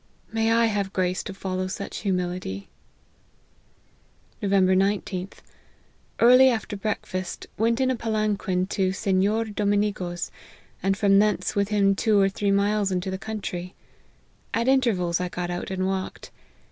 May I have grace to follow such humility !"" Nov. 19//Z. Early after breakfast went in a palanquin to Sennor Dominigo's, and from thence with him two or three miles into the country : at intervals I got out and walked.